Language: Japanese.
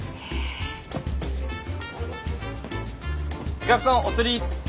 お客さんお釣り。